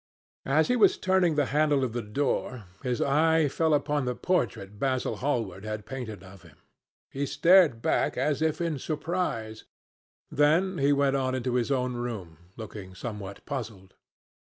As he was turning the handle of the door, his eye fell upon the portrait Basil Hallward had painted of him. He started back as if in surprise. Then he went on into his own room, looking somewhat puzzled.